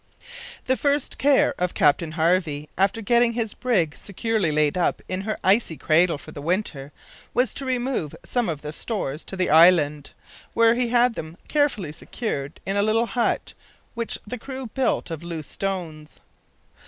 The first care of Captain Harvey, after getting his brig securely laid up in her icy cradle for the winter was to remove some of the stores to the island, where he had them carefully secured in a little hut which the crew built of loose stones.